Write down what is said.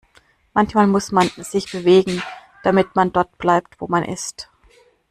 Manchmal muss man sich bewegen, damit man dort bleibt, wo man ist.